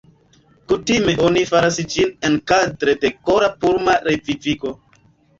Kutime oni faras ĝin enkadre de kora-pulma revivigo.